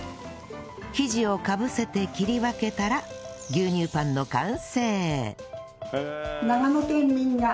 生地をかぶせて切り分けたら牛乳パンの完成